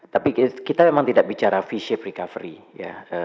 tapi kita memang tidak bicara v shave recovery ya